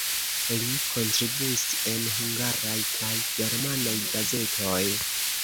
Li kontribuis en hungaraj kaj germanaj gazetoj.